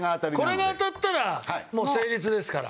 これが当たったらもう成立ですから。